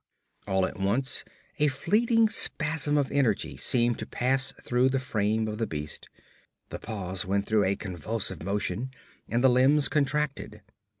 All at once a fleeting spasm of energy seemed to pass through the frame of the beast. The paws went through a convulsive motion, and the limbs contracted.